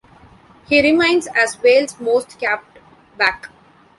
He remains as Wales most capped back.